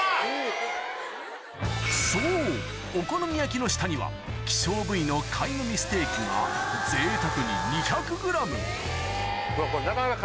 ・そうお好み焼きの下には希少部位のカイノミステーキがぜいたくに２００ｇうわこれ。